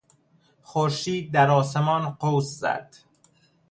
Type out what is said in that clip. خورشید در آسمان قوس زد.